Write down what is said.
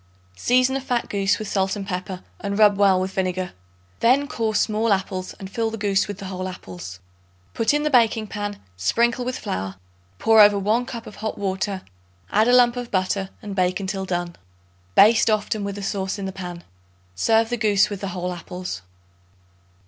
Season a fat goose with salt and pepper, and rub well with vinegar. Then core small apples and fill the goose with the whole apples. Put in the baking pan, sprinkle with flour; pour over 1 cup of hot water; add a lump of butter and bake until done. Baste often with the sauce in the pan. Serve the goose with the whole apples.